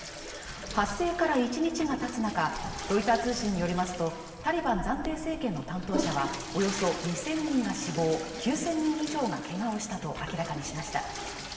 発生から一日がたつ中、ロイター通信によりますとタリバン暫定政権の担当者はおよそ２０００人が死亡、９０００人以上がけがをしたと明らかにしました。